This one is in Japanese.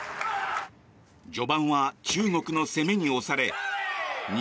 序盤は中国の攻めに押され２